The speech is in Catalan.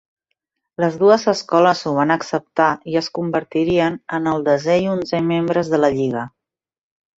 Les dues escoles ho van acceptar i es convertirien en el desè i onzè membres de la lliga.